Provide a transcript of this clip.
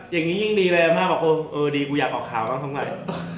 อย่างนี้ยิ่งดีเลยมากกว่าเออดีกูอยากออกข่าวบ้างทำไง